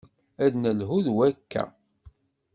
Ad d-nelhu d wakka.